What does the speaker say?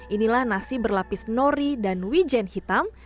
inilah nasi berlapis nori dan wijen hitam